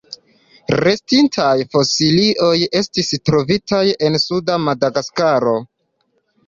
Restintaj fosilioj estis trovitaj en suda Madagaskaro.